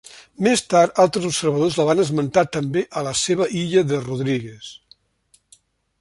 Més tard altres observadors la van esmentar també a la seva illa de Rodrigues.